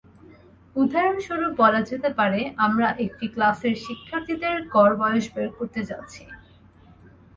উদাহরণস্বরূপ বলা যেতে পারে আমরা একটি ক্লাসের শিক্ষার্থীদের গড় বয়স বের করতে চাচ্ছি।